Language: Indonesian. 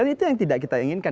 itu yang tidak kita inginkan